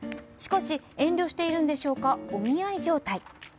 しかし遠慮しているのでしょうか、お見合い状態。